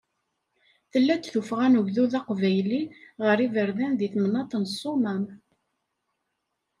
Tella-d tuffɣa n ugdud aqbayli ɣer yiberdan deg temnaḍt n Ssumam.